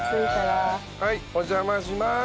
はいお邪魔します。